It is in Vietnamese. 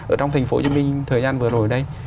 ở trong thành phố hồ chí minh thời gian vừa rồi đây